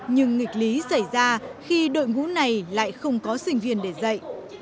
nhưng nghịch lý xảy ra khi đội ngũ này lại không có sinh viên để dạy